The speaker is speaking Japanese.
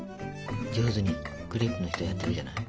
上手にクレープの人やってるじゃない？